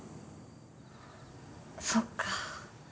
そっか。